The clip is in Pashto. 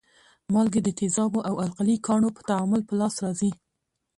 مالګې د تیزابو او القلي ګانو په تعامل په لاس راځي.